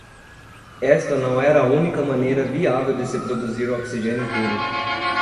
Esta não era a única maneira viável de se produzir oxigênio puro.